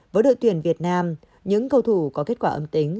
với đội tuyển việt nam những cầu thủ có kết quả âm tính